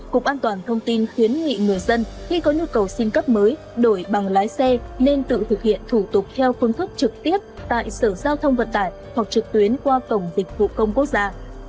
cục an toàn thông tin khuyến nghị người dân khi có nhu cầu xin cấp mới đổi bằng lái xe nên tự thực hiện thủ tục theo phương thức trực tiếp tại sở giao thông vận tải hoặc trực tuyến qua cổng dịch vụ công quốc gia